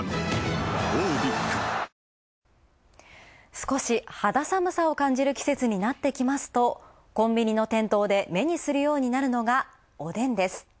少し肌寒さを感じる季節になってきますと、コンビニの店頭で目にするようになるのがおでんです。